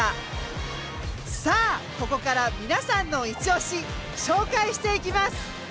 さあここから皆さんのいちオシ紹介していきます。